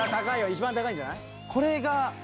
一番高いんじゃない？